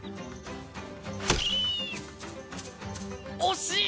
惜しい！